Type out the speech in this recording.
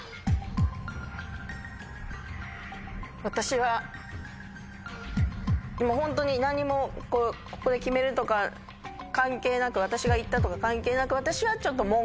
私はもうホントに何もここで決めるとか関係なく私が言ったとか関係なく私は。